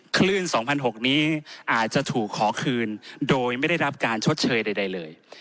คลื่น๒๖๐๐นี้อาจจะถูกขอคืนโดยไม่ได้รับการชดเชยใดเลย